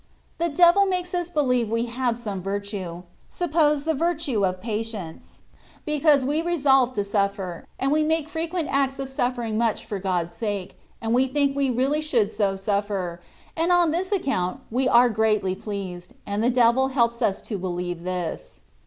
The devil makes us beUeve we have some virtue (suppose the virtue of patience), because we resolve to suffer, and we make frequent acts of suffering much for God's sake, and we think we really should so suffer ; and on this account we are greatly pleased, and the devil helps us to believe this.